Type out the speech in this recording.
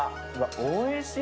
おいしい。